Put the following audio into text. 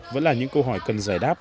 vẫn là những câu hỏi cần giải đáp